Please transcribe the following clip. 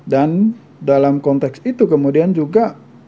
dan dalam konteks itu kemudian juga